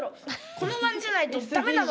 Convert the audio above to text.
このおわんじゃないと駄目なの！」。